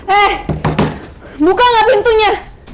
eh buka gak pintunya